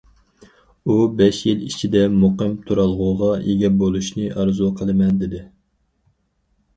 ئۇ، بەش يىل ئىچىدە مۇقىم تۇرالغۇغا ئىگە بولۇشنى ئارزۇ قىلىمەن، دېدى.